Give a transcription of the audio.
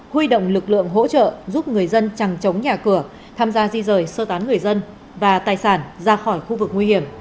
huy động lực lượng hỗ trợ giúp người dân chẳng chống nhà cửa tham gia di rời sơ tán người dân và tài sản ra khỏi khu vực nguy hiểm